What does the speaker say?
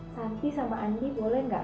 nanti sama andi boleh gak